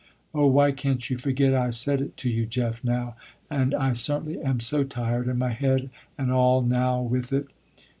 "Oh why can't you forget I said it to you Jeff now, and I certainly am so tired, and my head and all now with it."